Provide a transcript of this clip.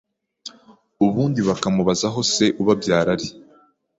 ubundi bakamubaza aho Se ubabyara ari.